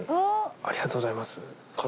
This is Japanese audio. ありがとうございます。